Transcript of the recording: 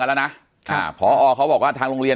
แต่คุณยายจะขอย้ายโรงเรียน